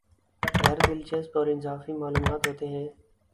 غیر دلچسپ اور اضافی معلوم ہوتے ہیں